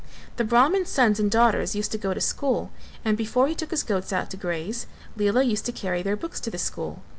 The Brahman's sons and daughters used to go school, and before he took his goats out to graze Lela used to carry their books to the school.